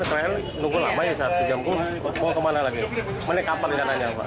kan krl nunggu lama ya satu jam mau kemana lagi mau naik kapal dengan nanya mbak